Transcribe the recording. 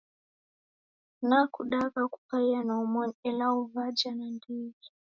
Nakudagha kukaya na omoni ela uwaja na ndighi.